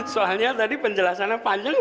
soalnya tadi penjelasannya panjang